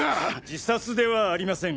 自殺ではありません。